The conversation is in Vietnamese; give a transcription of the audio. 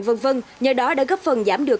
v v nhờ đó đã góp phần giảm được